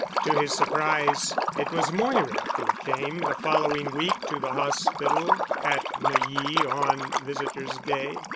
To his surprise it was Moira who came the following week to the hospital at Neuilly on visitors' day.